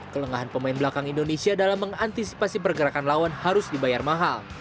kelengahan pemain belakang indonesia dalam mengantisipasi pergerakan lawan harus dibayar mahal